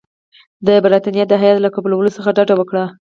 د برټانیې د هیات له قبولولو څخه ډډه وکړه.